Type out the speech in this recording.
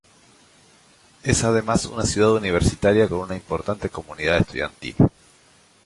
Es además una ciudad universitaria con una importante comunidad estudiantil.